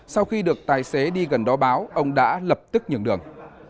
sau khi được tài xế đi gần đó báo ông đã lập tức nhường đường